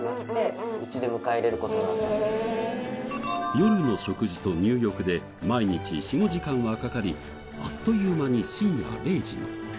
夜の食事と入浴で毎日４５時間はかかりあっという間に深夜０時に。